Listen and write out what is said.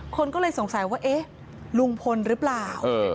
คนก็เลยสงสัยว่าเอ๊ะลุงพลหรือเปล่า